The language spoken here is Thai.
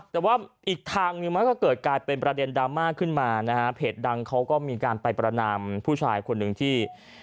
แต่ว่าอีกทางหนึ่งมันก็เกิดกลายเป็นประเด็นดราม่าขึ้นมานะฮะเพจดังเขาก็มีการไปประนามผู้ชายคนหนึ่งที่